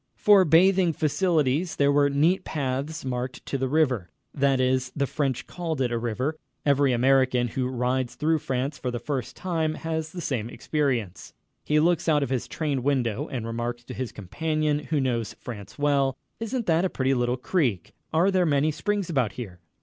For bathing facilities, there were neat paths marked to the river. That is, the French called it a river. Every American who rides through France for the first time has the same experience: he looks out of his train window and remarks to his companion, who knows France well: "Isn't that a pretty little creek? Are there many springs about here?"